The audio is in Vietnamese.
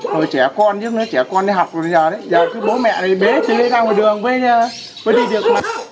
hồi trẻ con nhất nữa trẻ con đi học rồi bố mẹ đi bế đi ra ngoài đường với đi được